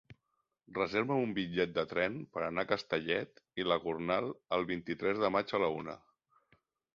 Reserva'm un bitllet de tren per anar a Castellet i la Gornal el vint-i-tres de maig a la una.